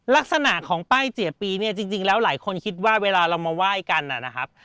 ลักษณะของป้ายเจียปีเนี่ยจริงแล้วหลายคนคิดว่าเวลาเรามาไหว้กันนะครับ